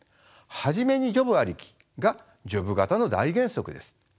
初めにジョブありきがジョブ型の大原則です。